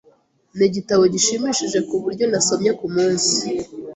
Nigitabo gishimishije kuburyo nasomye kumunsi.